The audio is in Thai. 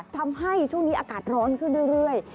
ทำให้ช่วงนี้อากาศร้อนขึ้นเรื่อย